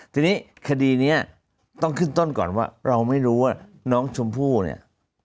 ทีนี้คดีนี้ต้องขึ้นต้นก่อนว่าเราไม่รู้ว่าน้องชมพู่เนี่ย